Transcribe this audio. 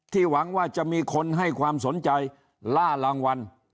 หวังว่าจะมีคนให้ความสนใจล่ารางวัล